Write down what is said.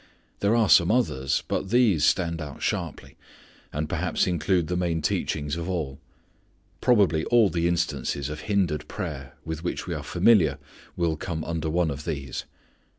There are some others; but these stand out sharply, and perhaps include the main teachings of all. Probably all the instances of hindered prayer with which we are familiar will come under one of these.